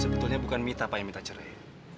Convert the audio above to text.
sebetulnya bukan mita pak yang minta cerai